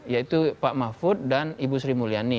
yaitu pak mahfud dan ibu sri mulyani